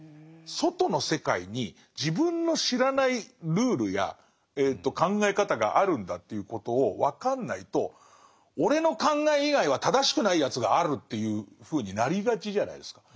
外の世界に自分の知らないルールや考え方があるんだということを分かんないと「俺の考え以外は正しくないやつがある」っていうふうになりがちじゃないですか。